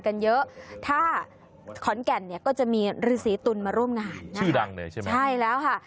ชื่อดังเลยใช่ไหมใช่แล้วค่ะ